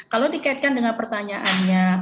kalau dikaitkan dengan pertanyaannya